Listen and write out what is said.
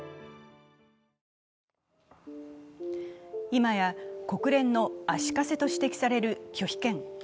今や国連の足かせと指摘される拒否権。